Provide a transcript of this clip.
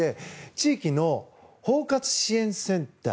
地域の包括支援センター